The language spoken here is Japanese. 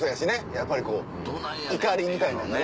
やっぱり怒りみたいなのでね。